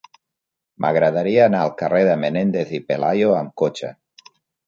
M'agradaria anar al carrer de Menéndez y Pelayo amb cotxe.